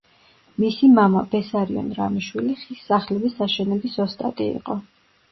მისი მამა, ბესარიონ რამიშვილი, ხის სახლების აშენების ოსტატი იყო.